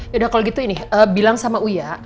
yaudah kalau gitu ini bilang sama uya